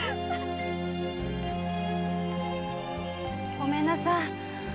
ごめんなさい。